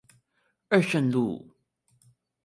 二聖路